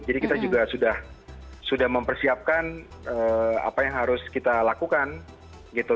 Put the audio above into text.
jadi kita juga sudah mempersiapkan apa yang harus kita lakukan gitu